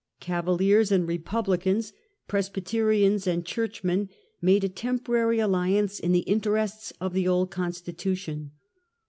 Cavaliers and Republicans, Presbyterians and Church men made a temporary alliance in the interests of the old constitution.